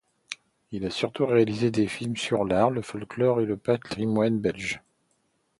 Il a surtout réalisé des films sur l'art, le folklore et le patrimoine belge.